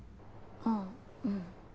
あっうん。